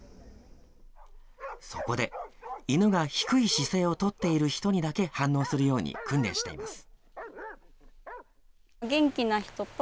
そこで、犬が低い姿勢を取っている人にだけ反応するように訓練しています。